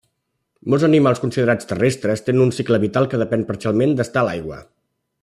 Molt animals considerats terrestres tenen un cicle vital que depèn parcialment d’estar a l’aigua.